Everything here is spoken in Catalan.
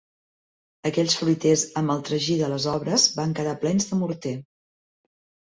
Aquells fruiters amb el tragí de les obres, van quedar plens de morter